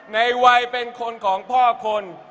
ในวัยเป็นคนของพ่อคน